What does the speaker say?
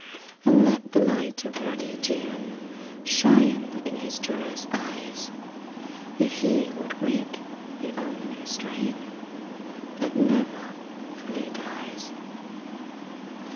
And let the light of ruddy June Shine in his joyous eyes. If he would wake the only strain That never fully dies